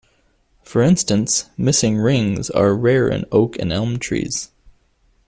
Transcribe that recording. For instance, missing rings are rare in oak and elm trees.